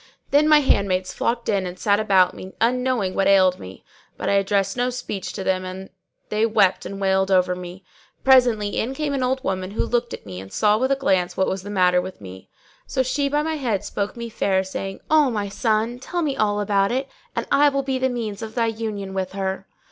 Then my handmaids flocked in and sat about me, unknowing what ailed me; but I addressed no speech to them, and they wept and wailed over me. Presently in came an old woman who looked at me and saw with a glance what was the matter with me: so she sat down by my head and spoke me fair, saying, "O my son, tell me all about it and I will be the means of thy union with her."